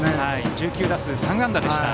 １９打数３安打でした。